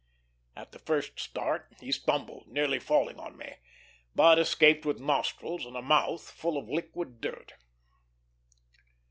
At the first start he stumbled, nearly falling on me, but escaped with nostrils and mouth full of liquid dirt.